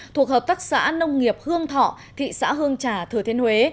thuộc hợp tác xã nông nghiệp hương thọ thị xã hương trà thừa thiên huế